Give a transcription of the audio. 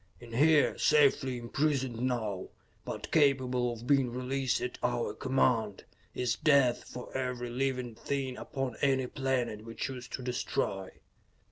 In here, safely imprisoned now, but capable of being released at our command, is death for every living thing upon any planet we choose to destroy."